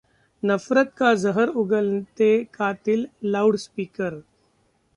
नफरत का जहर उगलते 'कातिल' लाउडस्पीकर